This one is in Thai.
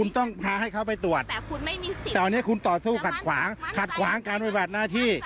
ตอนนี้คุณต่อสู้ขัดขวางการบริบัติหน้าที่